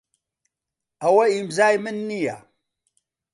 ئەوە ئیمزای من نییە.